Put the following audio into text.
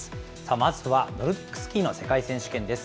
まずはノルディックスキーの世界選手権です。